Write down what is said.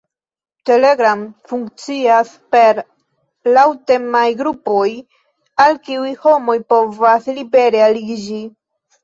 Telegram funkcias per laŭtemaj grupoj, al kiuj homoj povas libere aliĝi.